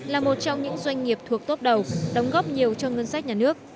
là một trong những doanh nghiệp thuộc tốt đầu đóng góp nhiều cho ngân sách nhà nước